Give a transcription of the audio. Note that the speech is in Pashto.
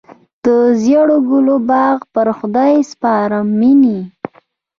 د ژړو ګلو باغ پر خدای سپارم مینه.